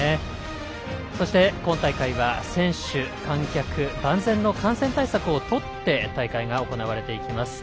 そして今大会は選手、観客万全の感染対策をとって大会が行われていきます。